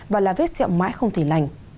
và là vết xẹo mãi không thể lành